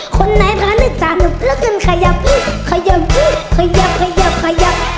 คนไหนพระนึกสาหนุกแล้วกันขยับขยับขยับขยับขยับขยับ